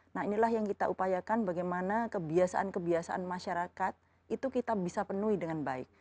nah inilah yang kita upayakan bagaimana kebiasaan kebiasaan masyarakat itu kita bisa penuhi dengan baik